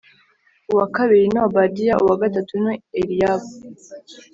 uwa kabiri ni Obadiya uwa gatatu ni Eliyabu